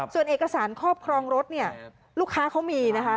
ส่วนเอกสารครอบครองรถเนี่ยลูกค้าเขามีนะคะ